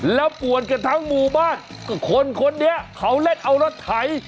แล้วป่วนกันทั้งหมู่บ้านก็คนคนนี้เขาเล่นเอารถไถ